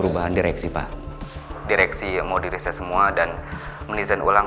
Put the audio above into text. perubahan direksi pak direksi yang mau direses semua dan menisahkan ulang